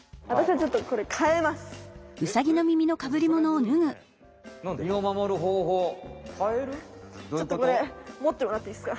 ちょっとこれもってもらっていいっすか？